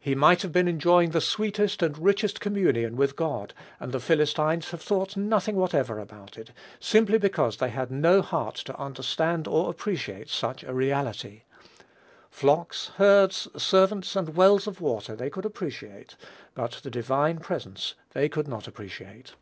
He might have been enjoying the sweetest and richest communion with God, and the Philistines have thought nothing whatever about it, simply because they had no heart to understand or appreciate such a reality. Flocks, herds, servants, and wells of water they could appreciate; but the divine presence they could not appreciate.